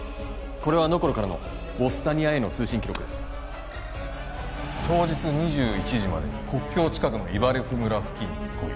これはノコルからのヴォスタニアへの通信記録です「当日２１時までに国境近くのイバレフ村付近に来い」